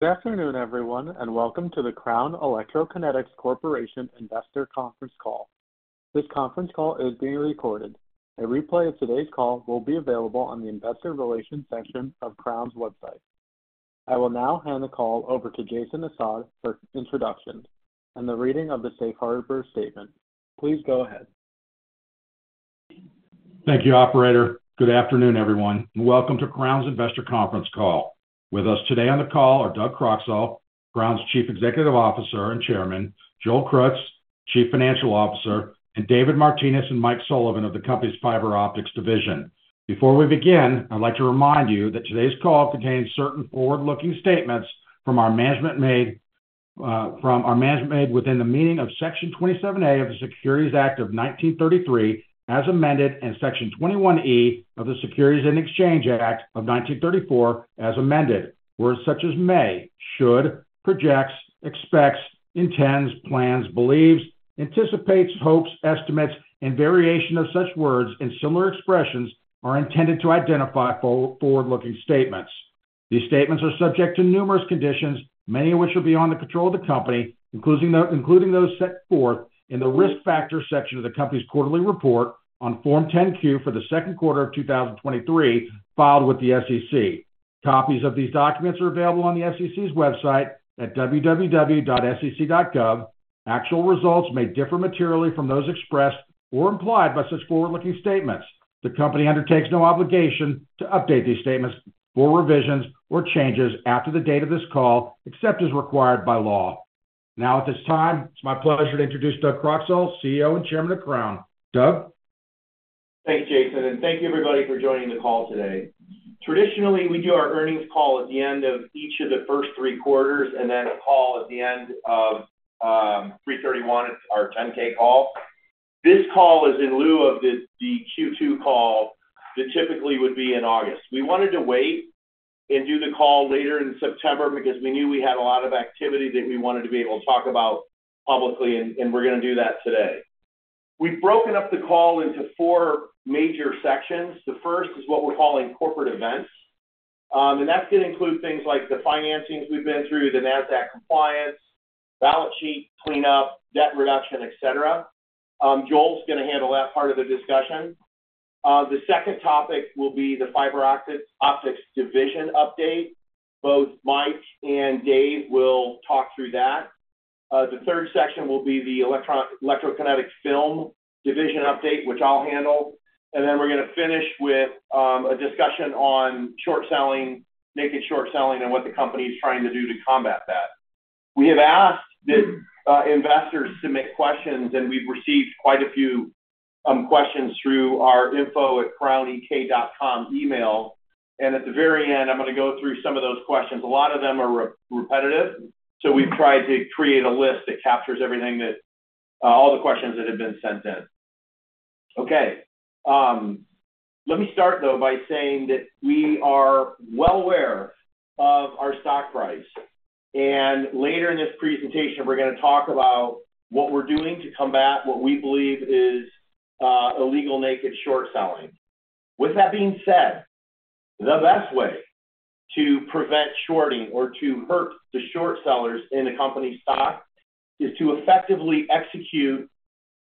Good afternoon, everyone, and welcome to the Crown Electrokinetics Corporation Investor Conference Call. This conference call is being recorded. A replay of today's call will be available on the Investor Relations section of Crown's website. I will now hand the call over to Jason Assad for introductions and the reading of the safe harbor statement. Please go ahead. Thank you, operator. Good afternoon, everyone, and welcome to Crown's Investor Conference Call. With us today on the call are Doug Croxall, Crown's Chief Executive Officer and Chairman; Joel Krutz, Chief Financial Officer; and David Martinez and Mike Sullivan of the company's Fiber Optics Division. Before we begin, I'd like to remind you that today's call contains certain forward-looking statements made by our management within the meaning of Section 27A of the Securities Act of 1933, as amended, and Section 21E of the Securities and Exchange Act of 1934, as amended. Words such as may, should, projects, expects, intends, plans, believes, anticipates, hopes, estimates, and variation of such words and similar expressions are intended to identify forward-looking statements. These statements are subject to numerous conditions, many of which are beyond the control of the company, including those set forth in the Risk Factors section of the company's quarterly report on Form 10-Q for the Q2 of 2023, filed with the SEC. Copies of these documents are available on the SEC's website at www.sec.gov. Actual results may differ materially from those expressed or implied by such forward-looking statements. The company undertakes no obligation to update these statements for revisions or changes after the date of this call, except as required by law. Now, at this time, it's my pleasure to introduce Doug Croxall, CEO and Chairman of Crown. Doug? Thanks, Jason, and thank you everybody for joining the call today. Traditionally, we do our earnings call at the end of each of the first three quarters, and then a call at the end of 3/31, it's our 10-K call. This call is in lieu of the Q2 call that typically would be in August. We wanted to wait and do the call later in September because we knew we had a lot of activity that we wanted to be able to talk about publicly, and we're gonna do that today. We've broken up the call into four major sections. The first is what we're calling corporate events, and that's gonna include things like the financings we've been through, the Nasdaq compliance, balance sheet cleanup, debt reduction, et cetera. Joel's gonna handle that part of the discussion. The second topic will be the Fiber Optics Division update. Both Mike and Dave will talk through that. The third section will be the Electrokinetic Film Division update, which I'll handle. And then we're gonna finish with a discussion on short selling, naked short selling, and what the company is trying to do to combat that. We have asked that investors to make questions, and we've received quite a few questions through our info@crownek.com email, and at the very end, I'm gonna go through some of those questions. A lot of them are repetitive, so we've tried to create a list that captures everything that all the questions that have been sent in. Okay, let me start, though, by saying that we are well aware of our stock price, and later in this presentation, we're gonna talk about what we're doing to combat what we believe is illegal naked short selling. With that being said, the best way to prevent shorting or to hurt the short sellers in a company's stock is to effectively execute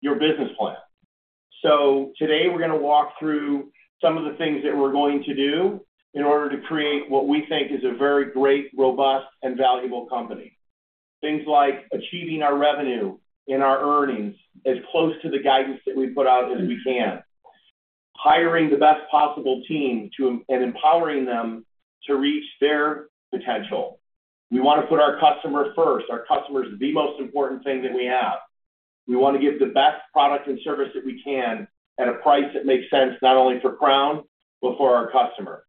your business plan. So today, we're gonna walk through some of the things that we're going to do in order to create what we think is a very great, robust, and valuable company. Things like achieving our revenue and our earnings as close to the guidance that we put out as we can. Hiring the best possible team to, and empowering them to reach their potential. We want to put our customer first. Our customer is the most important thing that we have. We want to give the best product and service that we can at a price that makes sense, not only for Crown, but for our customer.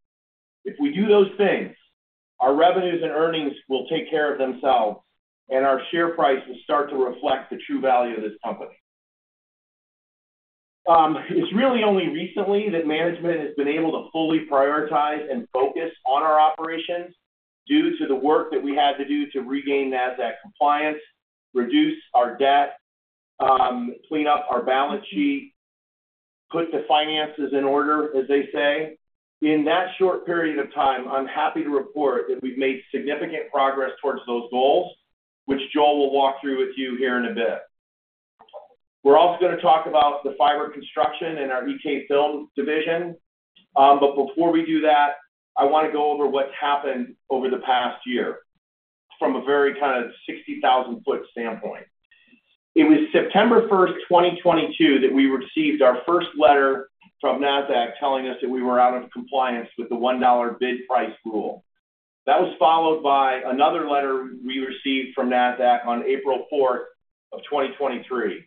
If we do those things, our revenues and earnings will take care of themselves, and our share price will start to reflect the true value of this company. It's really only recently that management has been able to fully prioritize and focus on our operations due to the work that we had to do to regain Nasdaq compliance, reduce our debt, clean up our balance sheet, put the finances in order, as they say. In that short period of time, I'm happy to report that we've made significant progress towards those goals, which Joel will walk through with you here in a bit. We're also gonna talk about the fiber construction in our EK film division. But before we do that, I wanna go over what's happened over the past year from a very kind of 60,000-foot standpoint. It was September first, 2022, that we received our first letter from Nasdaq telling us that we were out of compliance with the $1 bid price rule. That was followed by another letter we received from Nasdaq on April 4th, 2023,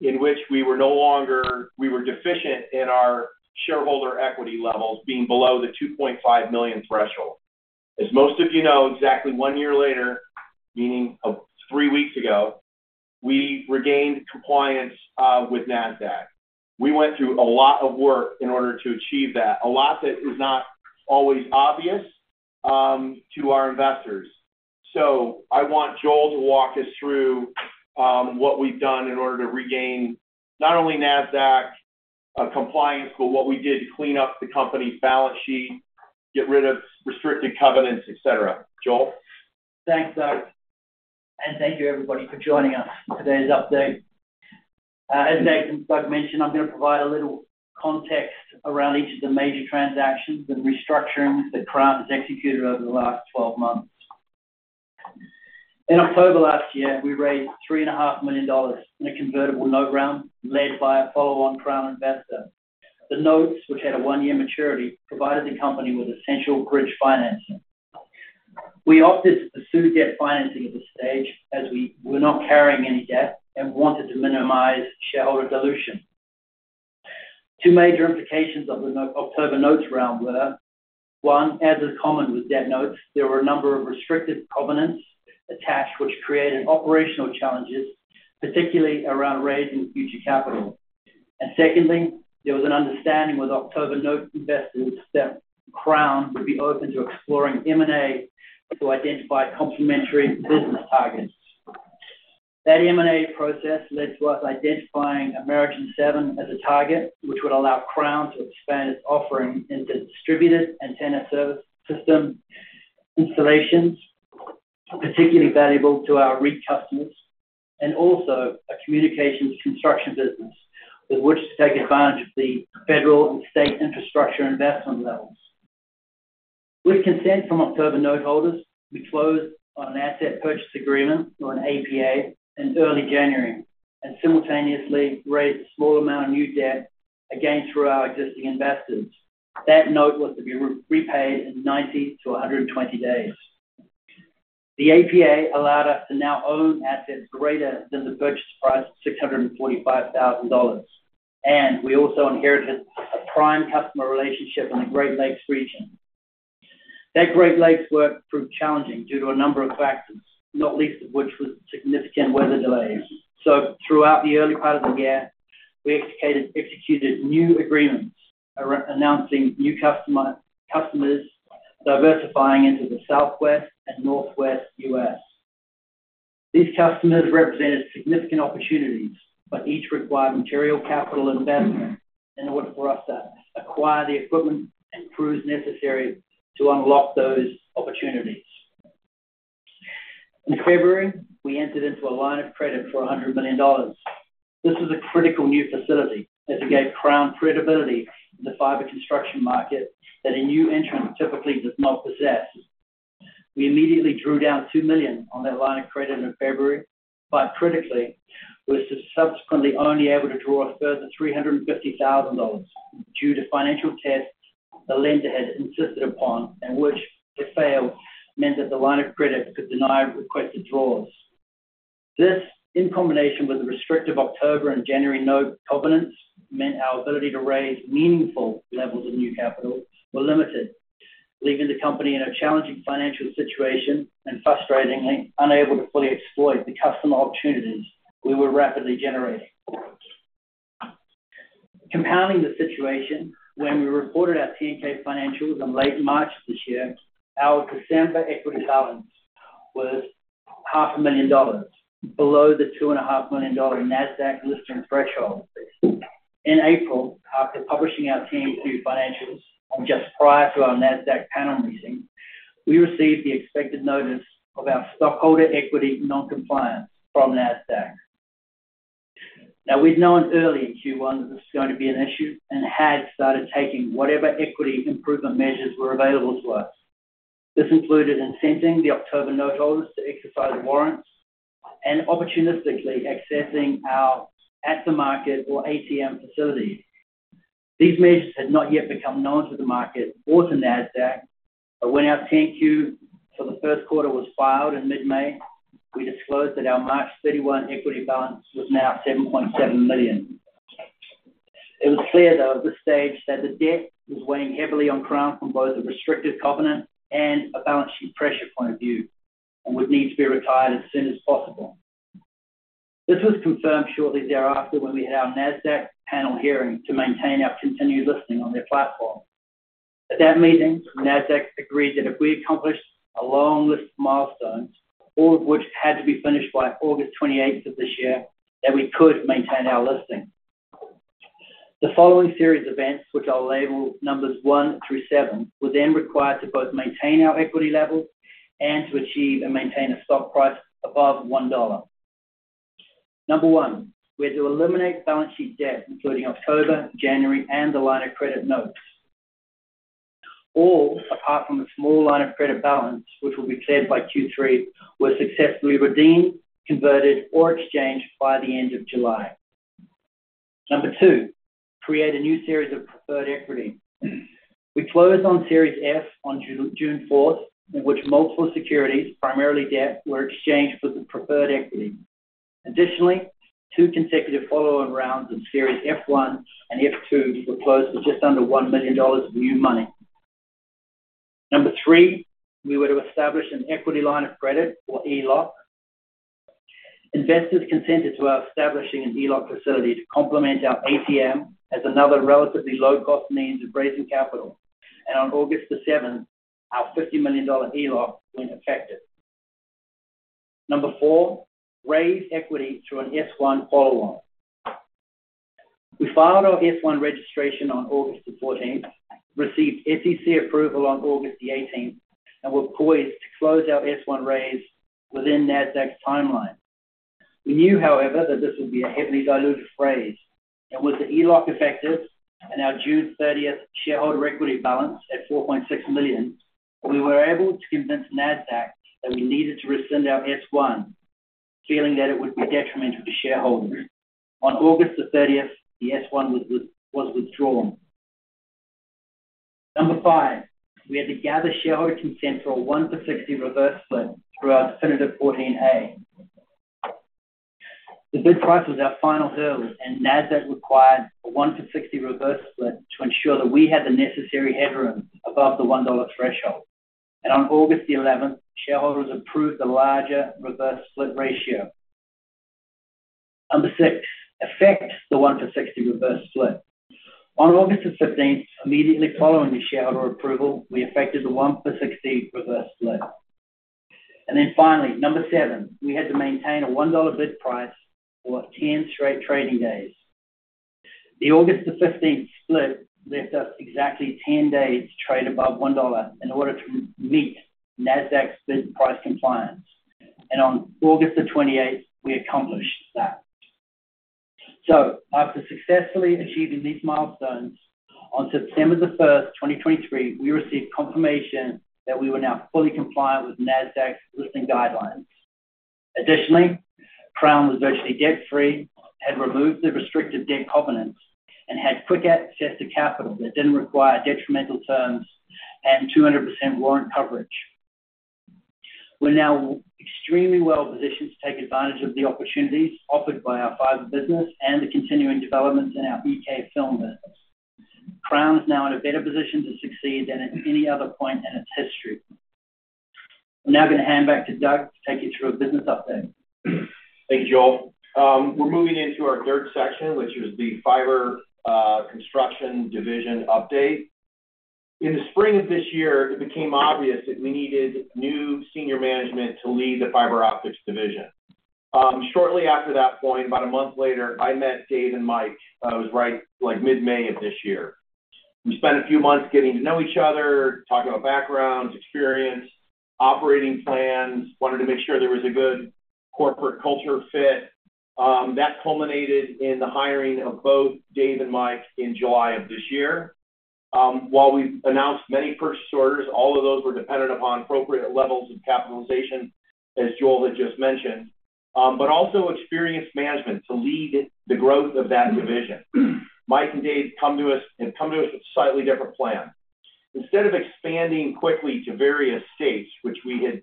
in which we were no longer, we were deficient in our shareholder equity levels being below the $2.5 million threshold. As most of you know, exactly one year later, meaning, three weeks ago, we regained compliance with Nasdaq. We went through a lot of work in order to achieve that, a lot that is not always obvious to our investors. So I want Joel to walk us through what we've done in order to regain not only Nasdaq compliance, but what we did clean up the company's balance sheet, get rid of restricted covenants, et cetera. Joel? Thanks, Doug, and thank you everybody for joining us for today's update. As Nick, like mentioned, I'm gonna provide a little context around each of the major transactions and the restructurings that Crown has executed over the last 12 months. In October last year, we raised $3.5 million in a convertible note round, led by a follow-on Crown investor. The notes, which had a one-year maturity, provided the company with essential bridge financing. We opted to pursue debt financing at this stage, as we were not carrying any debt and wanted to minimize shareholder dilution. Two major implications of the note, October notes round were: one, as is common with debt notes, there were a number of restrictive covenants attached, which created operational challenges, particularly around raising future capital. Secondly, there was an understanding with October note investors that Crown would be open to exploring M&A to identify complementary business targets. That M&A process led to us identifying Amerigen 7 as a target, which would allow Crown to expand its offering into distributed antenna system installations, particularly valuable to our REIT customers, and also a communications construction business, with which to take advantage of the federal and state infrastructure investment levels. With consent from October noteholders, we closed on an asset purchase agreement, or an APA, in early January, and simultaneously raised a small amount of new debt, again, through our existing investors. That note was to be repaid in 90-120 days. The APA allowed us to now own assets greater than the purchase price of $645,000, and we also inherited a prime customer relationship in the Great Lakes region. That Great Lakes work proved challenging due to a number of factors, not least of which was significant weather delays. So throughout the early part of the year, we executed new agreements, announcing new customers diversifying into the Southwest and Northwest U.S.. These customers represented significant opportunities, but each required material capital investment in order for us to acquire the equipment and crews necessary to unlock those opportunities. In February, we entered into a line of credit for $100 million. This is a critical new facility, as it gave Crown credibility in the fiber construction market that a new entrant typically does not possess. We immediately drew down $2 million on that line of credit in February, but critically, was subsequently only able to draw a further $350,000 due to financial tests the lender had insisted upon, and which, if failed, meant that the line of credit could deny requested draws. This, in combination with the restrictive October and January note covenants, meant our ability to raise meaningful levels of new capital were limited, leaving the company in a challenging financial situation and frustratingly unable to fully exploit the customer opportunities we were rapidly generating. Compounding the situation, when we reported our 10-K financials in late March this year, our December equity balance was $500,000, below the $2.5 million Nasdaq listing threshold. In April, after publishing our 10-Q financials and just prior to our Nasdaq panel meeting, we received the expected notice of our stockholder equity non-compliance from Nasdaq. Now, we'd known early in Q1 that this was going to be an issue and had started taking whatever equity improvement measures were available to us. This included incenting the October noteholders to exercise warrants and opportunistically accessing our At-The-Market or ATM facilities. These measures had not yet become known to the market or to Nasdaq, but when our 10-Q for the Q1 was filed in mid-May, we disclosed that our March 31 equity balance was now $7.7 million. It was clear, though, at this stage that the debt was weighing heavily on Crown from both a restrictive covenant and a balance sheet pressure point of view, and would need to be retired as soon as possible. This was confirmed shortly thereafter, when we had our Nasdaq panel hearing to maintain our continued listing on their platform. At that meeting, Nasdaq agreed that if we accomplished a long list of milestones, all of which had to be finished by August 28th of this year, that we could maintain our listing. The following series of events, which I'll label numbers one through seven, were then required to both maintain our equity levels and to achieve and maintain a stock price above $1. Number one, we had to eliminate balance sheet debt, including October, January, and the line of credit notes. All, apart from a small line of credit balance, which will be cleared by Q3, were successfully redeemed, converted, or exchanged by the end of July. Number two, create a new series of preferred equity. We closed on Series F on June 4th, in which multiple securities, primarily debt, were exchanged for the preferred equity. Additionally, two consecutive follow-on rounds of Series F-1 and F-2 were closed with just under $1 million of new money. Number three, we were to establish an Equity Line of Credit or ELOC. Investors consented to our establishing an ELOC facility to complement our ATM as another relatively low-cost means of raising capital. And on August 7th, our $50 million ELOC went effective. Number four, raise equity through an S-1 follow-on. We filed our S-1 registration on August 14, received SEC approval on August 18, and were poised to close our S-1 raise within Nasdaq's timeline. We knew, however, that this would be a heavily diluted raise, and with the ELOC effective and our June 30th shareholder equity balance at $4.6 million, we were able to convince Nasdaq that we needed to rescind our S-1, feeling that it would be detrimental to shareholders. On August 30th, the S-1 was withdrawn. Number five, we had to gather shareholder consent for a 1-to-60 reverse split through our definitive 14A. The bid price was our final hurdle, and Nasdaq required a 1-to-60 reverse split to ensure that we had the necessary headroom above the $1 threshold. And on August 11th, shareholders approved the larger reverse split ratio. Number six, affect the 1-to-60 reverse split. On August 15th, immediately following the shareholder approval, we affected the 1-to-60 reverse split. And then finally, number seven, we had to maintain a $1 bid price for 10 straight trading days. The August 15th split left us exactly 10 days to trade above $1 in order to meet Nasdaq's bid price compliance. And on August 28th, we accomplished that. So after successfully achieving these milestones, on September 1st, 2023, we received confirmation that we were now fully compliant with Nasdaq's listing guidelines. Additionally, Crown was virtually debt-free, had removed the restrictive debt covenants, and had quick access to capital that didn't require detrimental terms and 200% warrant coverage. We're now extremely well positioned to take advantage of the opportunities offered by our fiber business and the continuing developments in our EK film business. Crown is now in a better position to succeed than at any other point in its history. I'm now going to hand back to Doug to take you through a business update. Thank you, Joel. We're moving into our third section, which is the fiber Construction Division update. In the spring of this year, it became obvious that we needed new senior management to lead the Fiber Optics Division. Shortly after that point, about a month later, I met Dave and Mike. That was right, like, mid-May of this year. We spent a few months getting to know each other, talking about backgrounds, experience, operating plans. Wanted to make sure there was a good corporate culture fit, that culminated in the hiring of both Dave and Mike in July of this year. While we've announced many purchase orders, all of those were dependent upon appropriate levels of capitalization, as Joel had just mentioned, but also experienced management to lead the growth of that division. Mike and Dave come to us, and come to us with a slightly different plan. Instead of expanding quickly to various states, which we had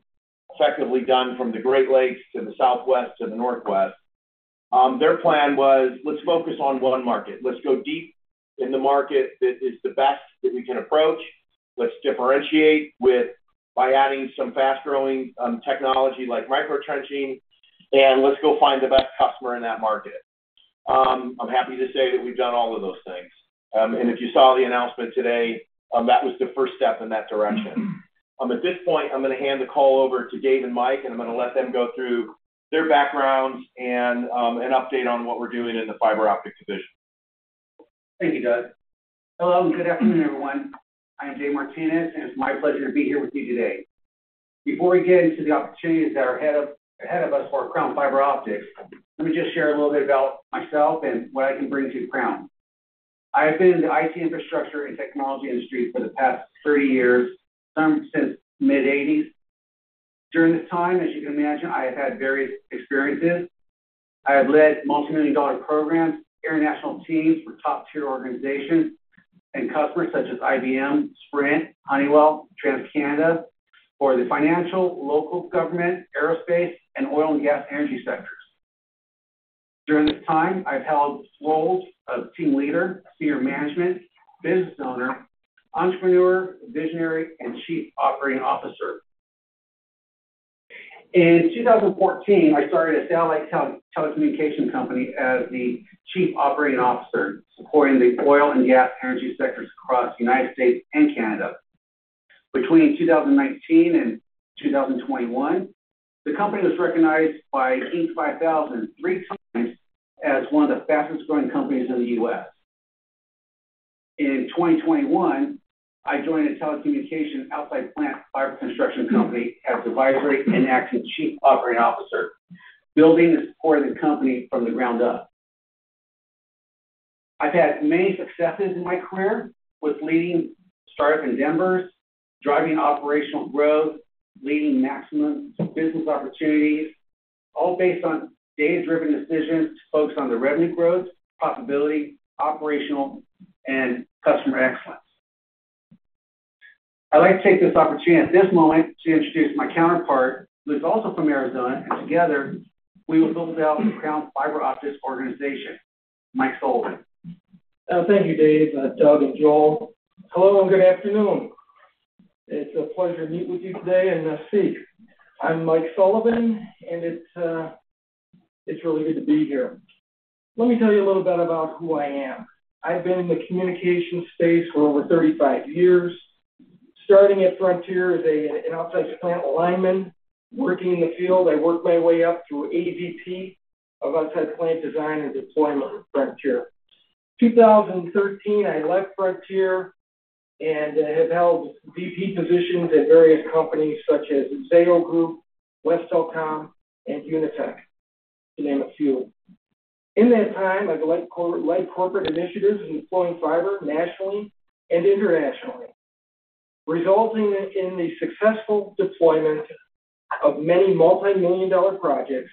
effectively done from the Great Lakes to the Southwest to the Northwest, their plan was, let's focus on one market. Let's go deep in the market that is the best that we can approach. Let's differentiate by adding some fast-growing technology like micro trenching, and let's go find the best customer in that market. I'm happy to say that we've done all of those things. If you saw the announcement today, that was the first step in that direction. At this point, I'm going to hand the call over to Dave and Mike, and I'm going to let them go through their backgrounds and an update on what we're doing in the fiber optic division. Thank you, Doug. Hello, and good afternoon, everyone. I am David Martinez, and it's my pleasure to be here with you today. Before we get into the opportunities that are ahead of us for Crown Fiber Optics, let me just share a little bit about myself and what I can bring to Crown. I have been in the IT infrastructure and technology industry for the past 30 years, since mid-1980s. During this time, as you can imagine, I have had various experiences. I have led multimillion-dollar programs, international teams for top-tier organizations and customers such as IBM, Sprint, Honeywell, TransCanada, for the financial, local government, aerospace, and oil and gas energy sectors. During this time, I've held roles of team leader, senior management, business owner, entrepreneur, visionary, and chief operating officer. In 2014, I started a satellite telecommunications company as the chief operating officer, supporting the oil and gas energy sectors across the United States and Canada. Between 2019 and 2021, the company was recognized by Inc. 5000 [inaudible] as one of the fastest-growing companies in the U.S.. In 2021, I joined a telecommunications outside plant fiber construction company as advisory and acting Chief Operating Officer, building and supporting the company from the ground up. I've had many successes in my career with leading startup endeavors, driving operational growth, leading maximum business opportunities, all based on data-driven decisions to focus on the revenue growth, profitability, operational, and customer excellence. I'd like to take this opportunity at this moment to introduce my counterpart, who is also from Arizona, and together, we will build out Crown's fiber optics organization. Mike Sullivan. Thank you, Dave, Doug, and Joel. Hello, and good afternoon. It's a pleasure to meet with you today. I'm Mike Sullivan, and it's It's really good to be here. Let me tell you a little bit about who I am. I've been in the communication space for over 35 years, starting at Frontier as an Outside Plant Lineman working in the field. I worked my way up through AVP of outside plant design and deployment with Frontier. 2013, I left Frontier and have held VP positions at various companies such as Zayo Group, West Telecom, and UniTek, to name a few. In that time, I've led corporate initiatives in deploying fiber nationally and internationally, resulting in the successful deployment of many multimillion-dollar projects,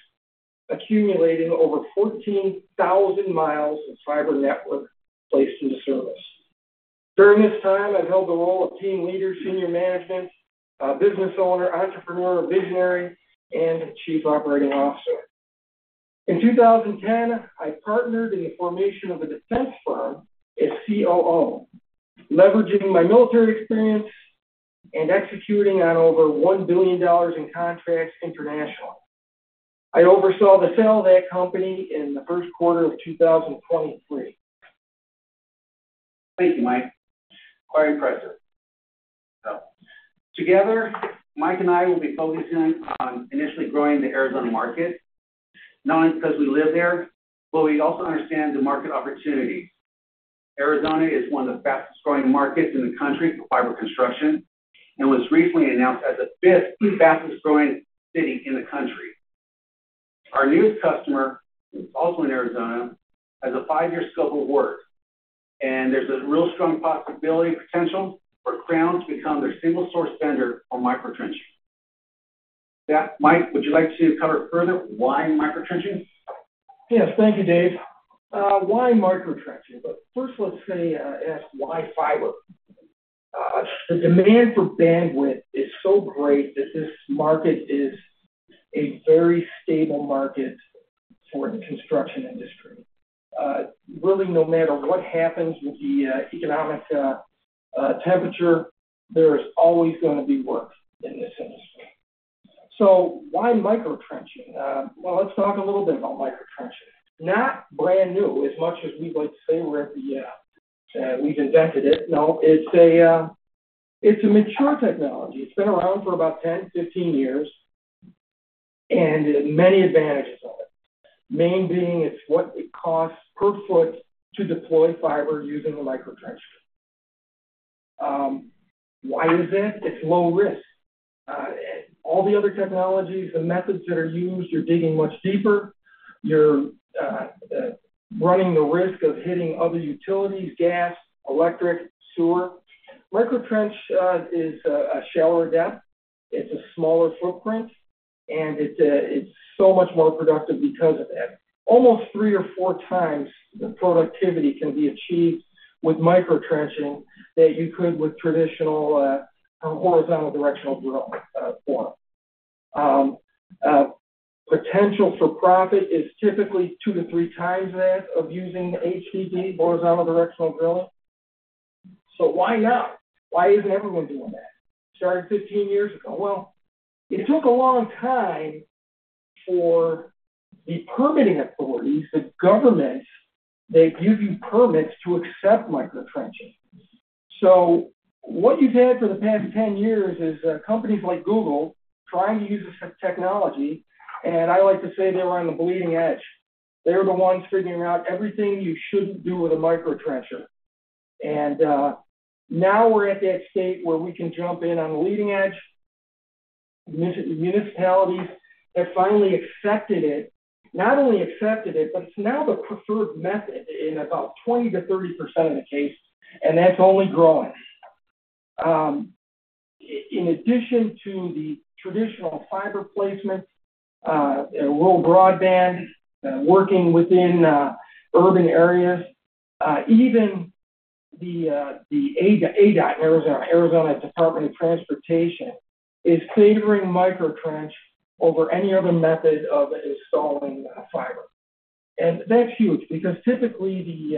accumulating over 14,000 miles of fiber network placed in service. During this time, I've held the role of team leader, senior management, business owner, entrepreneur, visionary, and chief operating officer. In 2010, I partnered in the formation of a defense firm as COO, leveraging my military experience and executing on over $1 billion in contracts internationally. I oversaw the sale of that company in the Q1 of 2023. Thank you, Mike. Quite impressive. So together, Mike and I will be focusing on initially growing the Arizona market, not only because we live there, but we also understand the market opportunities. Arizona is one of the fastest-growing markets in the country for fiber construction and was recently announced as the 5th fastest-growing city in the country. Our newest customer, also in Arizona, has a five-year scope of work, and there's a real strong possibility potential for Crown to become their single-source vendor for micro trenching. That, Mike, would you like to cover further why micro trenching? Yes. Thank you, Dave. Why micro trenching? But first, let's say, ask why fiber? The demand for bandwidth is so great that this market is a very stable market for the construction industry. Really, no matter what happens with the economic temperature, there is always gonna be work in this industry. So why micro trenching? Well, let's talk a little bit about micro trenching. Not brand new, as much as we'd like to say we're at the, we've invented it. No, it's a, it's a mature technology. It's been around for about 10, 15 years, and many advantages of it. Main being, it's what it costs per foot to deploy fiber using the micro trencher. Why is that? It's low risk. All the other technologies and methods that are used, you're digging much deeper. You're running the risk of hitting other utilities, gas, electric, sewer. Micro trenching is a shallower depth, it's a smaller footprint, and it's so much more productive because of that. Almost 3x or 4x the productivity can be achieved with micro trenching than you could with traditional or horizontal directional drill form. Potential for profit is typically 2x-3x that of using HDD, horizontal directional drilling. So why not? Why isn't everyone doing that? Started 15 years ago. Well, it took a long time for the permitting authorities, the government, that give you permits to accept micro trenching. So what you've had for the past 10 years is companies like Google trying to use this technology, and I like to say they were on the bleeding edge. They were the ones figuring out everything you shouldn't do with a micro trencher, and now we're at that state where we can jump in on the leading edge. Municipalities have finally accepted it. Not only accepted it, but it's now the preferred method in about 20%-30% of the cases, and that's only growing. In addition to the traditional fiber placement, rural broadband, working within urban areas, even the ADOT, Arizona Department of Transportation, is favoring micro trench over any other method of installing fiber. And that's huge because typically the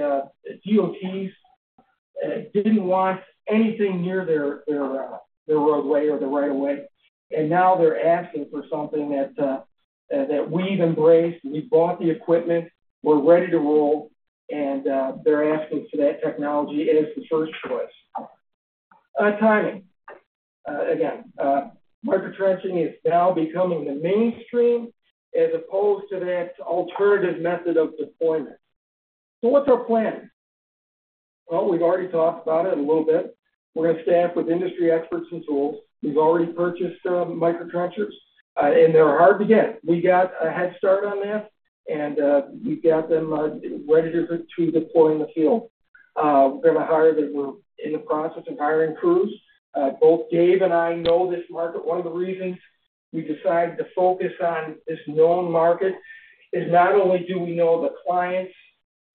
DOTs didn't want anything near their roadway or the right of way, and now they're asking for something that we've embraced. We've bought the equipment, we're ready to roll, and they're asking for that technology, and it's the first choice. Timing. Again, micro trenching is now becoming the mainstream, as opposed to that alternative method of deployment. So what's our plan? Well, we've already talked about it a little bit. We're gonna staff with industry experts and tools. We've already purchased micro trenchers, and they're hard to get. We got a head start on that, and we've got them ready to deploy in the field. We're gonna hire the. We're in the process of hiring crews. Both Dave and I know this market. One of the reasons we decided to focus on this known market is not only do we know the clients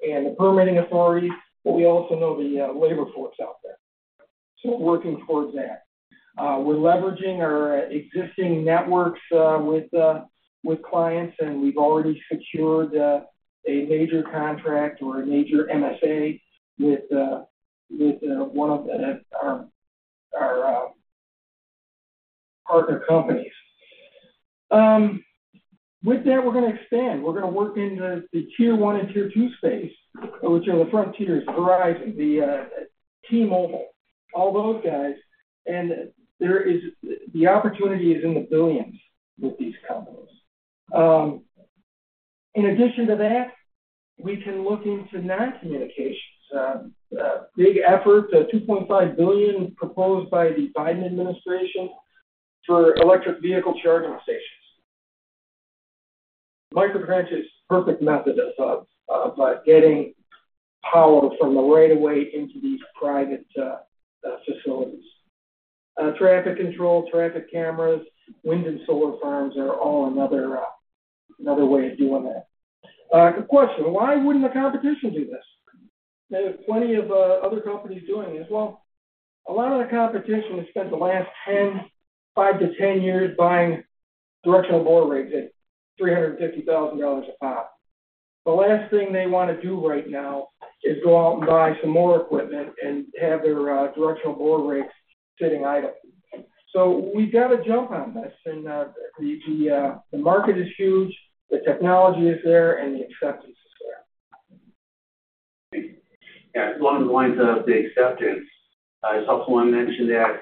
and the permitting authorities, but we also know the labor force out there, so we're working towards that. We're leveraging our existing networks with clients, and we've already secured a major contract or a major MSA with one of our partner companies. With that, we're going to expand. We're going to work in the tier one and tier two space, which are the front tiers, Verizon, T-Mobile, all those guys, and there is the opportunity is in the billions with these companies. In addition to that, we can look into non-communications. A big effort, a $2.5 billion proposed by the Biden administration for electric vehicle charging stations. Micro trenching is a perfect method of getting power from the right of way into these private facilities. Traffic control, traffic cameras, wind and solar farms are all another way of doing that. Good question: Why wouldn't the competition do this? There are plenty of other companies doing it as well. A lot of the competition has spent the last five to 10 years buying directional bore rigs at $350,000 a pop. The last thing they want to do right now is go out and buy some more equipment and have their directional bore rigs sitting idle. So we've got to jump on this, and the market is huge, the technology is there, and the acceptance is there. Yeah. Along the lines of the acceptance, I just also want to mention that,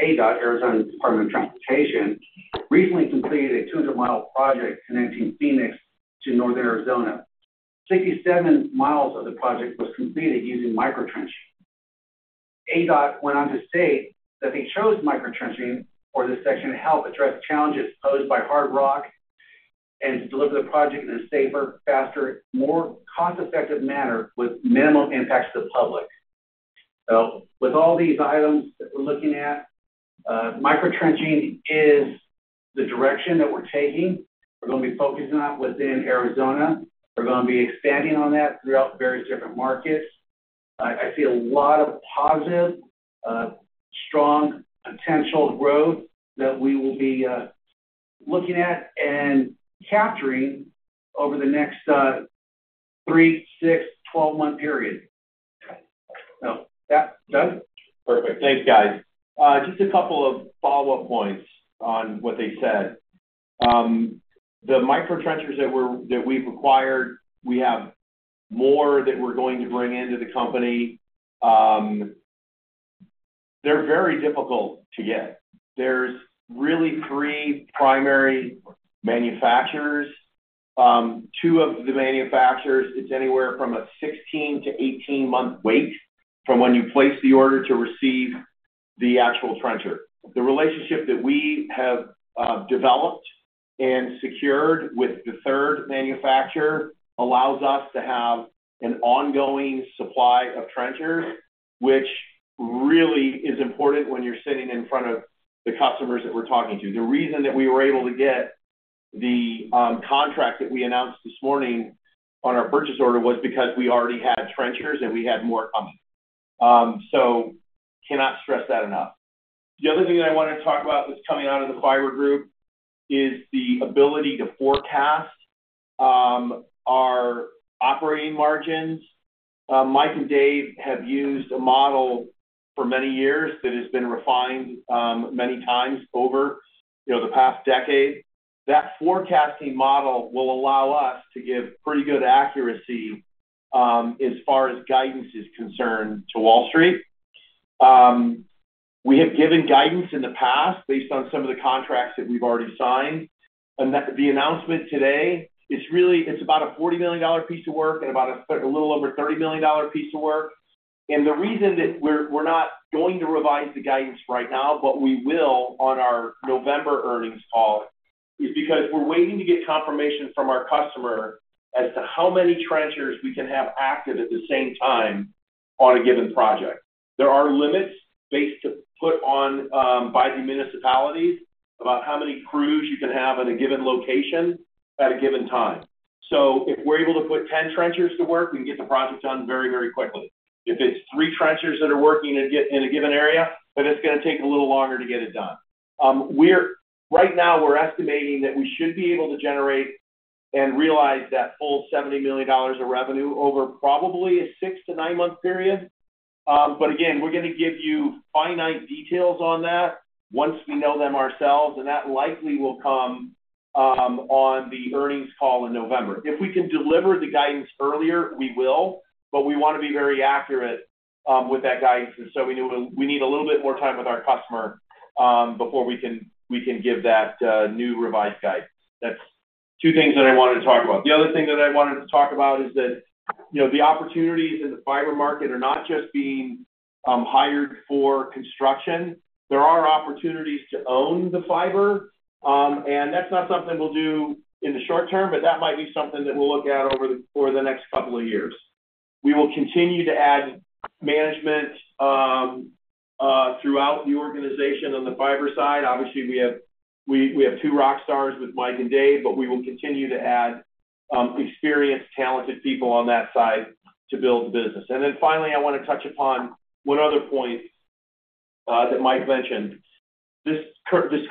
ADOT, Arizona Department of Transportation, recently completed a 200-mile project connecting Phoenix to northern Arizona. 67 miles of the project was completed using micro trenching. ADOT went on to state that they chose micro trenching for this section to help address challenges posed by hard rock and to deliver the project in a safer, faster, more cost-effective manner with minimal impact to the public. So with all these items that we're looking at, micro trenching is the direction that we're taking. We're going to be focusing on within Arizona. We're going to be expanding on that throughout various different markets. I, I see a lot of positive, strong potential growth that we will be, looking at and capturing over the next, three, six, 12-month period. So, yeah. Perfect. Thanks, guys. Just a couple of follow-up points on what they said. The micro trenchers that we've acquired, we have more that we're going to bring into the company. They're very difficult to get. There's really three primary manufacturers. Two of the manufacturers, it's anywhere from a 16 to 18 month wait from when you place the order to receive the actual trencher. The relationship that we have developed and secured with the third manufacturer allows us to have an ongoing supply of trenchers, which really is important when you're sitting in front of the customers that we're talking to. The reason that we were able to get the contract that we announced this morning on our purchase order was because we already had trenchers, and we had more coming. So cannot stress that enough. The other thing that I wanted to talk about that's coming out of the fiber group is the ability to forecast our operating margins. Mike and Dave have used a model for many years that has been refined many times over, you know, the past decade. That forecasting model will allow us to give pretty good accuracy as far as guidance is concerned to Wall Street. We have given guidance in the past based on some of the contracts that we've already signed, and that the announcement today, it's really about a $40 million piece of work and about a little over $30 million piece of work. The reason that we're not going to revise the guidance right now, but we will on our November earnings call, is because we're waiting to get confirmation from our customer as to how many trenchers we can have active at the same time on a given project. There are limits based to put on by the municipalities about how many crews you can have in a given location at a given time. So if we're able to put 10 trenchers to work, we can get the project done very, very quickly. If it's three trenchers that are working in a given area, then it's going to take a little longer to get it done. We're right now estimating that we should be able to generate and realize that full $70 million of revenue over probably a six to nine month period. But again, we're going to give you finite details on that once we know them ourselves, and that likely will come on the earnings call in November. If we can deliver the guidance earlier, we will, but we want to be very accurate with that guidance, and so we need, we need a little bit more time with our customer before we can give that new revised guidance. That's two things that I wanted to talk about. The other thing that I wanted to talk about is that, you know, the opportunities in the fiber market are not just being hired for construction. There are opportunities to own the fiber, and that's not something we'll do in the short term, but that might be something that we'll look at over the, for the next couple of years. We will continue to add management throughout the organization on the fiber side. Obviously, we have two rock stars with Mike and Dave, but we will continue to add experienced, talented people on that side to build the business. Then finally, I want to touch upon one other point that Mike mentioned. This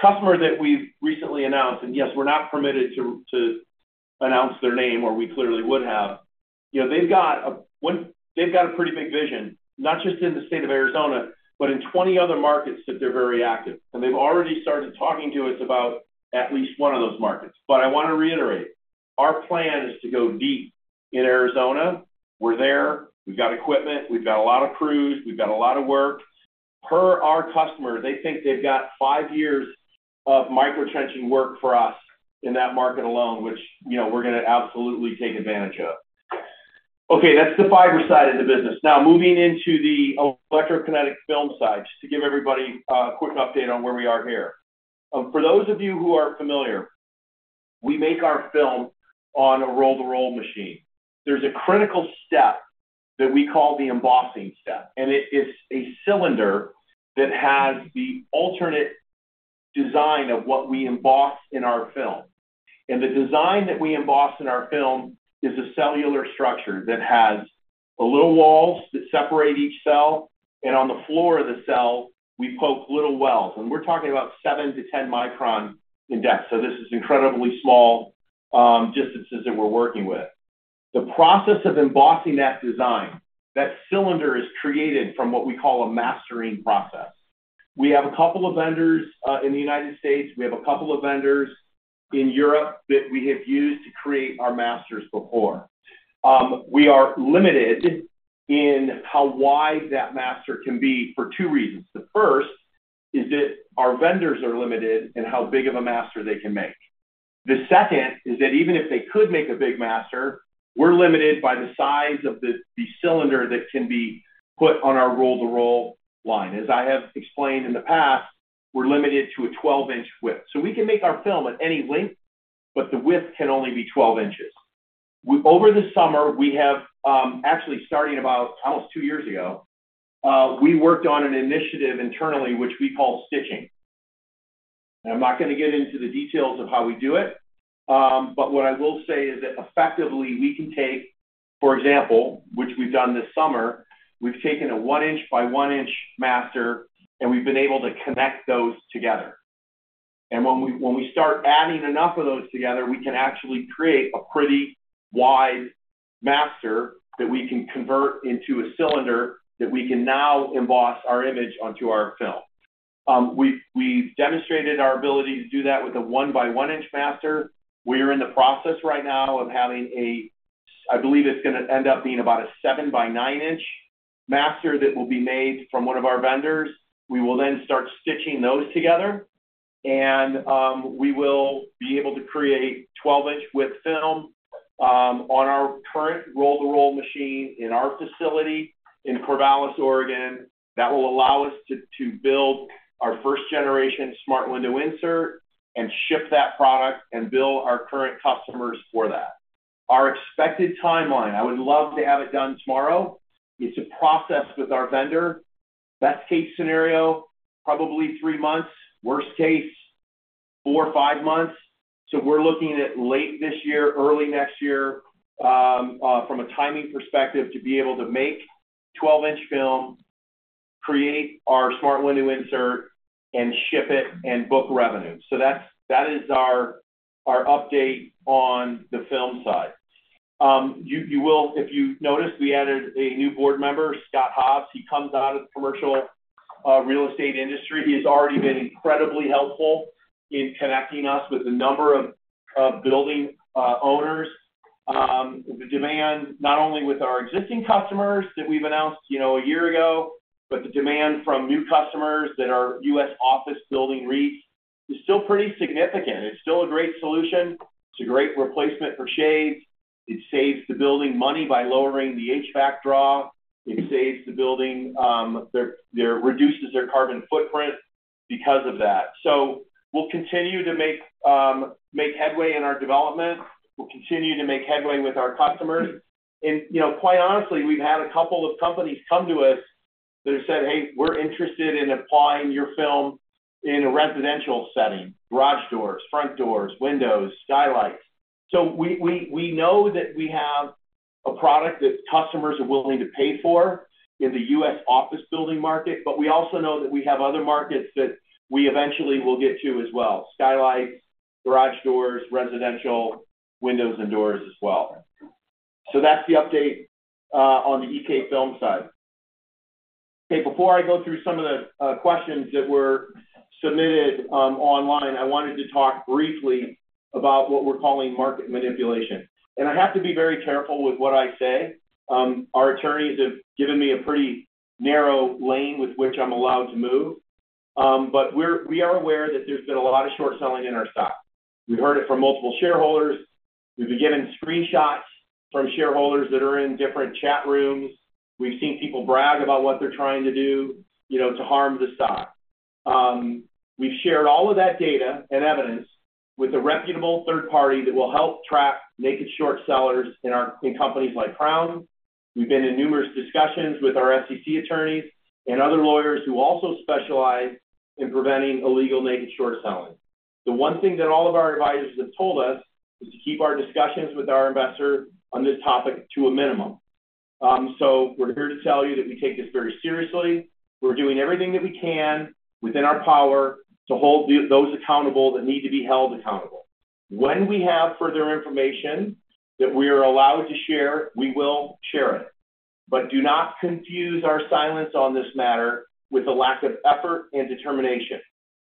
customer that we've recently announced, and yes, we're not permitted to announce their name, or we clearly would have. You know, they've got a pretty big vision, not just in the state of Arizona, but in 20 other markets that they're very active. And they've already started talking to us about at least one of those markets. But I want to reiterate, our plan is to go deep in Arizona. We're there, we've got equipment, we've got a lot of crews, we've got a lot of work. Per our customer, they think they've got five years of micro-trenching work for us in that market alone, which, you know, we're going to absolutely take advantage of. Okay, that's the fiber side of the business. Now, moving into the electrokinetic film side, just to give everybody a quick update on where we are here. For those of you who aren't familiar, we make our film on a roll-to-roll machine. There's a critical step that we call the embossing step, and it is a cylinder that has the alternate design of what we emboss in our film. The design that we emboss in our film is a cellular structure that has the little walls that separate each cell, and on the floor of the cell, we poke little wells, and we're talking about seven to 10 micron in depth, so this is incredibly small, distances that we're working with. The process of embossing that design, that cylinder is created from what we call a mastering process. We have a couple of vendors in the United States. We have a couple of vendors in Europe that we have used to create our masters before. We are limited in how wide that master can be for two reasons. The first is that our vendors are limited in how big of a master they can make. The second is that even if they could make a big master, we're limited by the size of the cylinder that can be put on our roll-to-roll line. As I have explained in the past, we're limited to a 12 in width, so we can make our film at any length, but the width can only be 12 in. Over the summer, we have actually, starting about almost two years ago, we worked on an initiative internally, which we call stitching. I'm not going to get into the details of how we do it, but what I will say is that effectively, we can take, for example, which we've done this summer, we've taken a 1 in by 1 in master, and we've been able to connect those together. When we start adding enough of those together, we can actually create a pretty wide master that we can convert into a cylinder, that we can now emboss our image onto our film. We've demonstrated our ability to do that with a 1-by-1-in master. We are in the process right now of having a, I believe it's going to end up being about a 7 in-by-9-in master that will be made from one of our vendors. We will then start stitching those together, and we will be able to create 12-in width film on our current roll-to-roll machine in our facility in Corvallis, Oregon. That will allow us to build our first generation smart window insert and ship that product and bill our current customers for that. Our expected timeline, I would love to have it done tomorrow. It's a process with our vendor. Best case scenario, probably three months. Worst case, four or five months. So we're looking at late this year, early next year, from a timing perspective, to be able to make 12-in film, create our Smart Window Insert, and ship it, and book revenue. So that's our update on the film side. You will, if you've noticed, we added a new board member, Scott Hobbs. He comes out of the commercial real estate industry. He has already been incredibly helpful in connecting us with a number of building owners. The demand, not only with our existing customers that we've announced, you know, a year ago, but the demand from new customers that are US office building REITs, is still pretty significant. It's still a great solution. It's a great replacement for shades. It saves the building money by lowering the HVAC draw. It saves the building, reduces their carbon footprint because of that. So we'll continue to make headway in our development. We'll continue to make headway with our customers. And, you know, quite honestly, we've had a couple of companies come to us that have said, "Hey, we're interested in applying your film in a residential setting, garage doors, front doors, windows, skylights." So we know that we have a product that customers are willing to pay for in the U.S. office building market, but we also know that we have other markets that we eventually will get to as well. Skylights, garage doors, residential windows and doors as well. So that's the update on the EK Film side. Okay, before I go through some of the questions that were submitted online, I wanted to talk briefly about what we're calling market manipulation, and I have to be very careful with what I say. Our attorneys have given me a pretty narrow lane with which I'm allowed to move, but we are aware that there's been a lot of short selling in our stock. We've heard it from multiple shareholders. We've been getting screenshots from shareholders that are in different chat rooms. We've seen people brag about what they're trying to do, you know, to harm the stock. We've shared all of that data and evidence with a reputable third party that will help track naked short sellers in our- in companies like Crown. We've been in numerous discussions with our SEC attorneys and other lawyers who also specialize in preventing illegal naked short selling. The one thing that all of our advisors have told us is to keep our discussions with our investors on this topic to a minimum. So we're here to tell you that we take this very seriously. We're doing everything that we can within our power to hold those accountable that need to be held accountable. When we have further information that we are allowed to share, we will share it. But do not confuse our silence on this matter with a lack of effort and determination.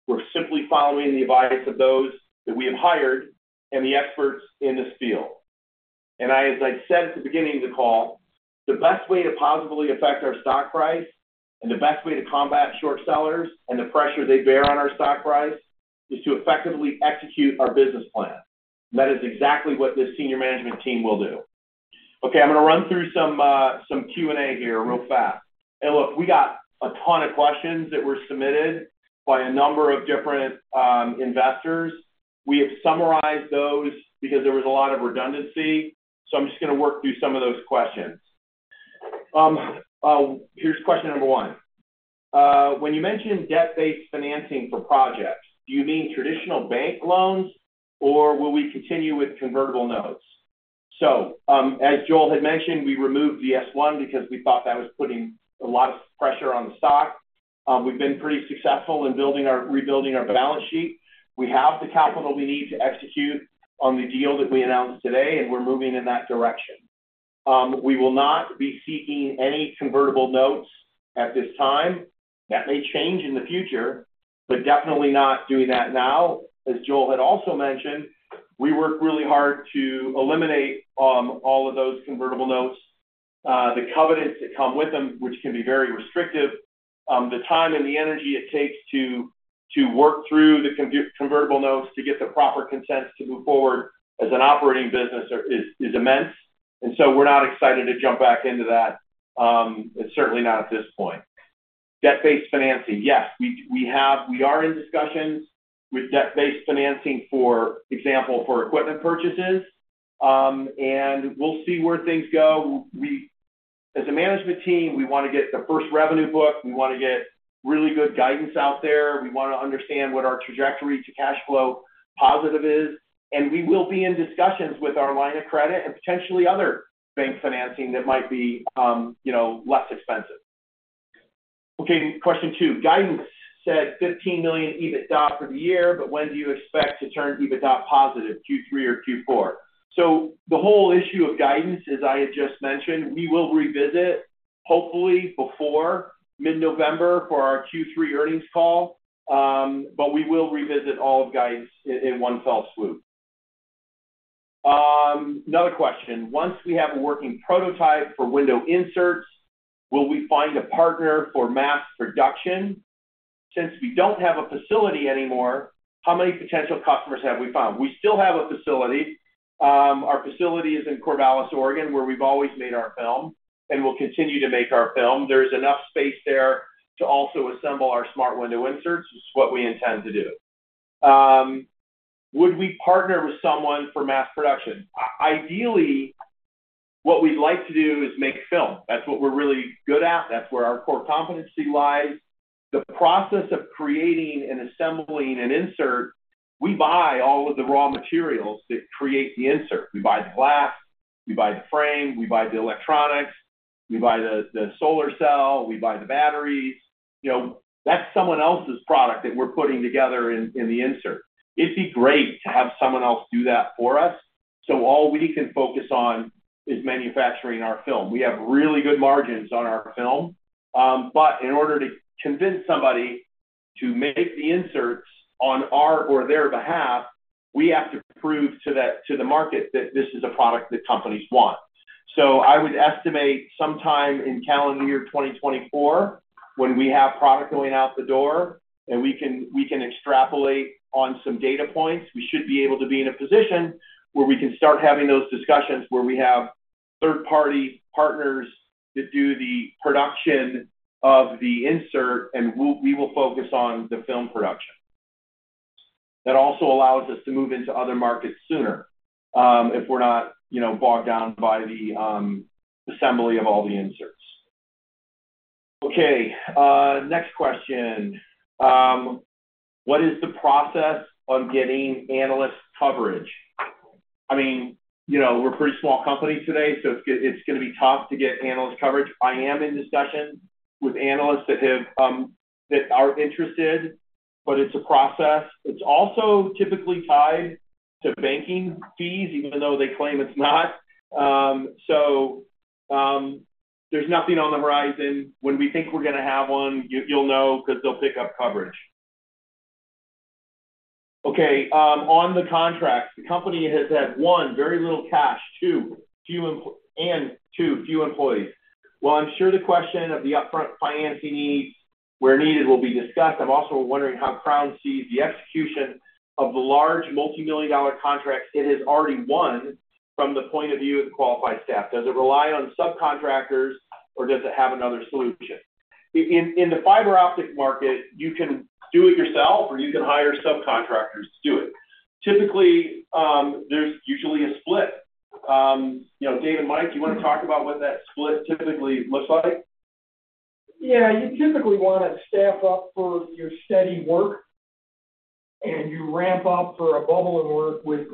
We're simply following the advice of those that we have hired and the experts in this field. And as I said at the beginning of the call, the best way to positively affect our stock price, and the best way to combat short sellers and the pressure they bear on our stock price, is to effectively execute our business plan. That is exactly what this senior management team will do. Okay, I'm gonna run through some Q&A here real fast. And look, we got a ton of questions that were submitted by a number of different investors. We have summarized those because there was a lot of redundancy, so I'm just gonna work through some of those questions. Here's question number one. When you mention debt-based financing for projects, do you mean traditional bank loans, or will we continue with convertible notes? So, as Joel had mentioned, we removed the S-1 because we thought that was putting a lot of pressure on the stock. We've been pretty successful in rebuilding our balance sheet. We have the capital we need to execute on the deal that we announced today, and we're moving in that direction. We will not be seeking any convertible notes at this time. That may change in the future, but definitely not doing that now. As Joel had also mentioned, we work really hard to eliminate all of those convertible notes, the covenants that come with them, which can be very restrictive. The time and the energy it takes to work through the convertible notes, to get the proper consents to move forward as an operating business is immense, and so we're not excited to jump back into that. And certainly not at this point. Debt-based financing, yes, we are in discussions with debt-based financing, for example, for equipment purchases. And we'll see where things go. As a management team, we wanna get the first revenue booked. We wanna get really good guidance out there. We wanna understand what our trajectory to cash flow positive is, and we will be in discussions with our line of credit and potentially other bank financing that might be, you know, less expensive. Okay, question two: Guidance said $15 million EBITDA for the year, but when do you expect to turn EBITDA positive, Q3 or Q4? So the whole issue of guidance, as I had just mentioned, we will revisit hopefully before mid-November for our Q3 earnings call. But we will revisit all of guidance in one fell swoop. Another question: Once we have a working prototype for window inserts, will we find a partner for mass production? Since we don't have a facility anymore, how many potential customers have we found? We still have a facility. Our facility is in Corvallis, Oregon, where we've always made our film and will continue to make our film. There's enough space there to also assemble our smart window inserts, which is what we intend to do. Would we partner with someone for mass production? Ideally, what we'd like to do is make film. That's what we're really good at. That's where our core competency lies. The process of creating and assembling an insert, we buy all of the raw materials that create the insert. We buy the glass, we buy the frame, we buy the electronics, we buy the solar cell, we buy the batteries. You know, that's someone else's product that we're putting together in the insert. It'd be great to have someone else do that for us, so all we can focus on is manufacturing our film. We have really good margins on our film. But in order to convince somebody to make the inserts on our or their behalf, we have to prove to the market that this is a product that companies want. So I would estimate sometime in calendar year 2024, when we have product going out the door and we can, we can extrapolate on some data points, we should be able to be in a position where we can start having those discussions where we have third-party partners that do the production of the insert, and we'll, we will focus on the film production. That also allows us to move into other markets sooner, if we're not, you know, bogged down by the, assembly of all the inserts. Okay, next question. What is the process on getting analyst coverage? I mean, you know, we're a pretty small company today, so it's gonna be tough to get analyst coverage. I am in discussions with analysts that have, that are interested, but it's a process. It's also typically tied to banking fees, even though they claim it's not. So, there's nothing on the horizon. When we think we're gonna have one, you, you'll know, because they'll pick up coverage. Okay, on the contracts, the company has had one, very little cash, two, few employees. While I'm sure the question of the upfront financing needs, where needed, will be discussed, I'm also wondering how Crown sees the execution of the large multi-million-dollar contracts it has already won from the point of view of the qualified staff. Does it rely on subcontractors or does it have another solution? In the fiber optic market, you can do it yourself, or you can hire subcontractors to do it. Typically, there's usually a split. You know, Dave and Mike, do you want to talk about what that split typically looks like? Yeah. You typically want to staff up for your steady work and you ramp up for a bubble of work with,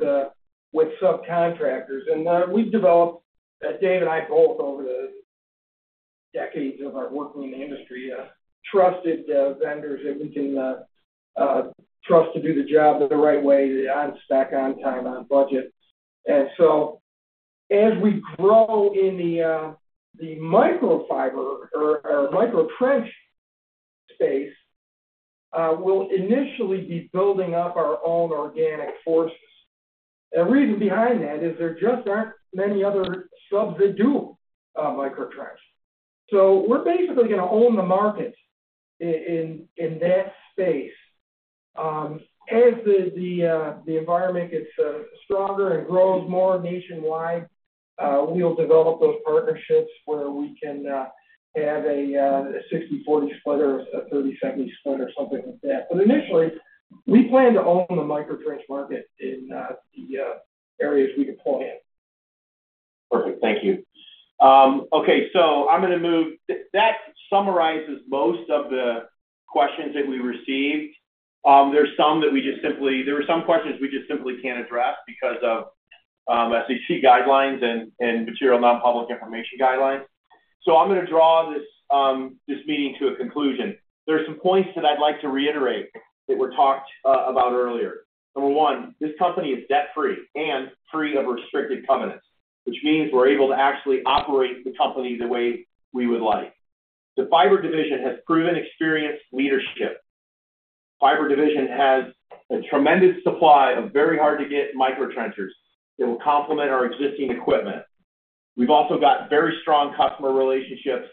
with subcontractors. And, we've developed, as Dave and I both, over the decades of our work in the industry, trusted, vendors that we can, trust to do the job the right way, on stack, on time, on budget. And so as we grow in the, the micro trenching space, we'll initially be building up our own organic forces. The reason behind that is there just aren't many other subs that do, micro-trenching. So we're basically gonna own the market in that space. As the environment gets stronger and grows more nationwide, we'll develop those partnerships where we can have a 60/40 split or a 30/70 split or something like that. But initially, we plan to own the micro-trenching market in the areas we deploy in. Perfect. Thank you. Okay, so I'm gonna move. That summarizes most of the questions that we received. There were some questions we just simply can't address because of SEC guidelines and material non-public information guidelines. So I'm gonna draw this meeting to a conclusion. There are some points that I'd like to reiterate that were talked about earlier. Number one, this company is debt-free and free of restricted covenants, which means we're able to actually operate the company the way we would like. The fiber division has proven experienced leadership. Fiber division has a tremendous supply of very hard-to-get micro trenchers that will complement our existing equipment. We've also got very strong customer relationships,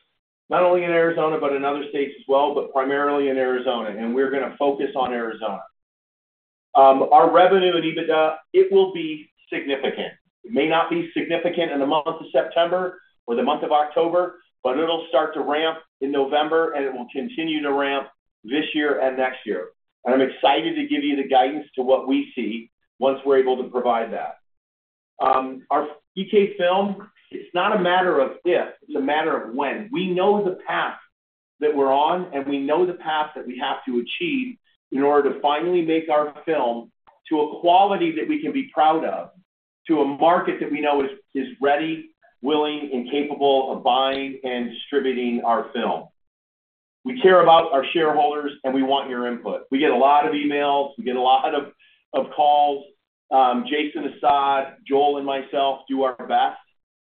not only in Arizona, but in other states as well, but primarily in Arizona, and we're gonna focus on Arizona. Our revenue and EBITDA, it will be significant. It may not be significant in the month of September or the month of October, but it'll start to ramp in November, and it will continue to ramp this year and next year. I'm excited to give you the guidance to what we see once we're able to provide that. Our EK Film, it's not a matter of if, it's a matter of when. We know the path that we're on, and we know the path that we have to achieve in order to finally make our film to a quality that we can be proud of, to a market that we know is ready, willing, and capable of buying and distributing our film. We care about our shareholders, and we want your input. We get a lot of emails, we get a lot of calls. Jason Assad, Joel, and myself do our best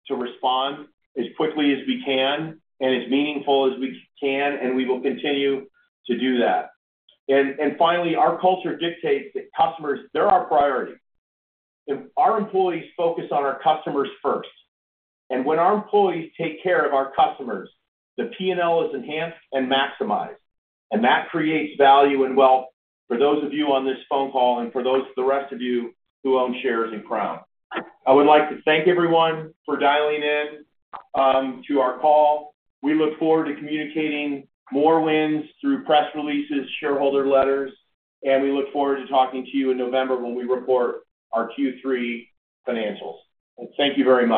to respond as quickly as we can and as meaningful as we can, and we will continue to do that. And finally, our culture dictates that customers, they're our priority. If our employees focus on our customers first, and when our employees take care of our customers, the P&L is enhanced and maximized, and that creates value and wealth for those of you on this phone call and for those, the rest of you who own shares in Crown. I would like to thank everyone for dialing in to our call. We look forward to communicating more wins through press releases, shareholder letters, and we look forward to talking to you in November when we report our Q3 financials. Thank you very much.